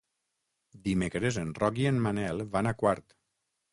Dimecres en Roc i en Manel van a Quart.